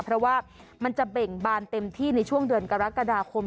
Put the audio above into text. เพราะว่ามันจะเบ่งบานเต็มที่ในช่วงเดือนกรกฎาคม